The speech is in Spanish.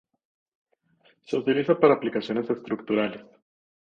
Se utiliza para aplicaciones estructurales.